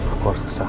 aku harus kesah